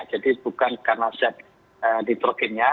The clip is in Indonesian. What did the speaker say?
jadi bukan karena aset nitrogennya